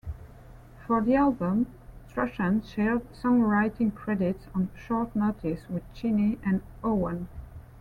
For the album, Strachan shared songwriting credits on "Short Notice" with Cheney and Owen.